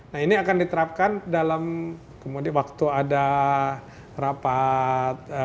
nah ini akan diterapkan dalam kemudian waktu ada rapat